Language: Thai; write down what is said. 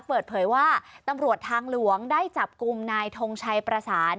เปิดเผยว่าตำรวจทางหลวงได้จับกลุ่มนายทงชัยประสาน